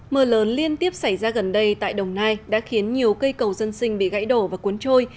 mưa lớn liên tiếp xảy ra gần đây tại đồng nai đã khiến nhiều cây cầu dân sinh bị gãy đổ và cuốn trôi